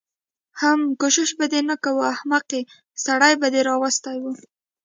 حم کوشش به دې نه کوه احمقې سړی به دې راوستی و.